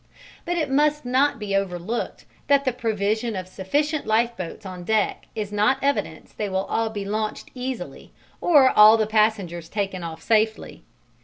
But it must not be overlooked that the provision of sufficient lifeboats on deck is not evidence they will all be launched easily or all the passengers taken off safely.